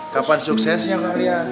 kapan suksesnya kalian